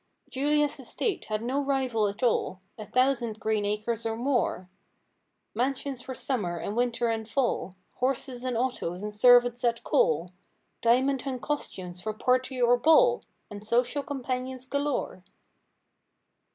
Julia's estate had no rival at all; A thousand green acres or more; Mansions for summer and winter and fall Horses and autos and servants at call; Diamond hung costumes for party or ball And social companions galore.